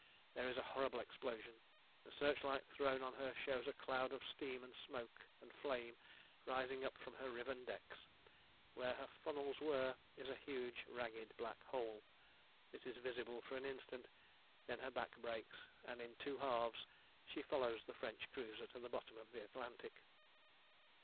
There is a horrible explosion. The searchlight thrown on her shows a cloud of steam and smoke and flame rising up from her riven decks. Where her funnels were is a huge ragged black hole. This is visible for an instant, then her back breaks, and in two halves she follows the French cruiser to the bottom of the Atlantic.